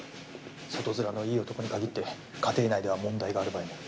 外づらのいい男に限って家庭内では問題がある場合も。